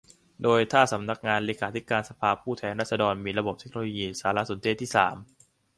โดยถ้าสำนักงานเลขาธิการสภาผู้แทนราษฎรมีระบบเทคโนโลยีสารสนเทศที่สาม